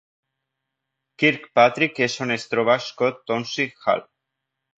Kirkpatrick és on es troba Scott Township Hall.